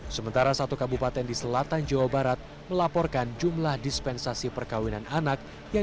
dua ribu dua puluh dua sementara satu kabupaten di selatan jawa barat melaporkan jumlah dispensasi perkawinan anak yang